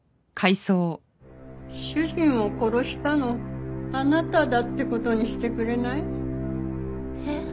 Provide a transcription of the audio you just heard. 主人を殺したのあなただって事にしてくれない？えっ？